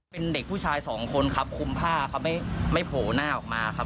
เป็นเด็กผู้ชายสองคนครับคุมผ้าครับไม่โผล่หน้าออกมาครับ